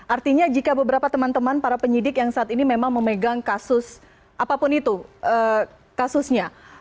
artinya jika beberapa teman teman para penyidik yang saat ini memang memegang kasus apapun itu kasusnya